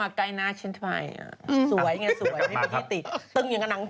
ถ่ายให้ดูหน่อย